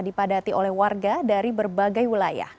dipadati oleh warga dari berbagai wilayah